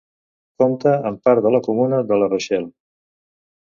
Compta amb part de la comuna de La Rochelle.